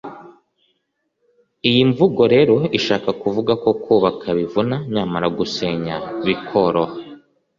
iyi mvugo rero ishaka kuvuga ko kubaka bivuna nyamara gusenya bikoroha